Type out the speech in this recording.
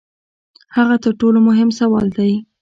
هغه تر ټولو مهم سوال دی.